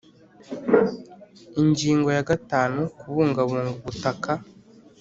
Ingingo ya gatanu Kubungabunga ubutaka